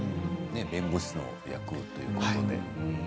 弁護士の役ということで。